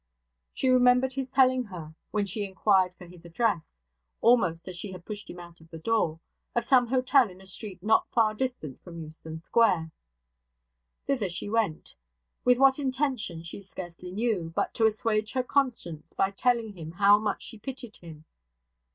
She remembered his telling her, when she inquired for his address, almost as she had pushed him out of the door, of some hotel in a street not far distant from Euston Square. Thither she went: with what intention she scarcely knew, but to assuage her conscience by telling him how much she pitied him.